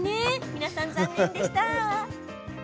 皆さん残念でした！